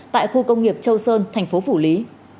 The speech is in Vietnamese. tại khu công nghiệp châu sơn thành phố phủ lý